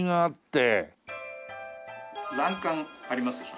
欄干ありますでしょ